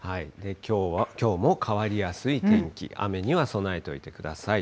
きょうも変わりやすい天気、雨には備えておいてください。